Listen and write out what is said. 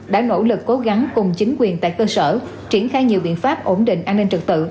đã nỗ lực cố gắng cùng chính quyền tại cơ sở triển khai nhiều biện pháp ổn định an ninh trật tự